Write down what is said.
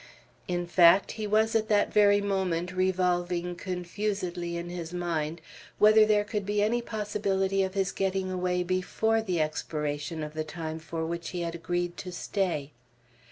In fact, he was at that very moment revolving confusedly in his mind whether there could be any possibility of his getting away before the expiration of the time for which he had agreed to stay.